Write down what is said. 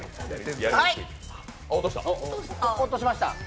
落としました。